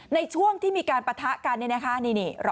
ในช่วงที่มีการประทะกัน